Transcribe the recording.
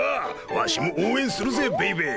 わしも応援するぜベイベー。